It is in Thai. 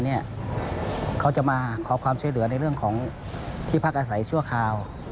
เขาจะมาขอความช่วยเหลือในเรื่องของที่พักอาศัยชั่วคราว